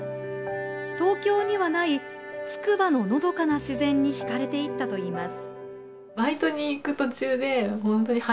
東京にはないつくばののどかな自然に魅かれていったといいます。